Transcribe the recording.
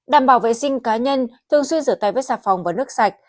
đảm bảo vệ sinh cá nhân thường xuyên rửa tay với sạp phòng và nước sạch